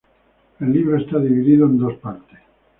El libro esta dividido en dos partes.